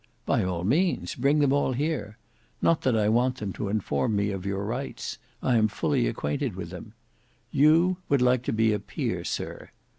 "By all means: bring them all here. Not that I want them to inform me of your rights: I am fully acquainted with them. You would like to be a peer, sir.